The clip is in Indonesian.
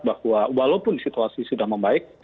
bahwa walaupun situasi sudah membaik